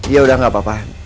ya udah gak apa apa